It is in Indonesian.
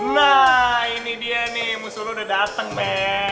nah ini dia nih musuh lo udah dateng men